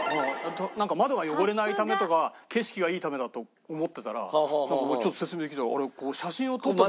なんか窓が汚れないためとか景色がいいためだと思ってたらなんか説明聞いたらあれ写真を撮った時に。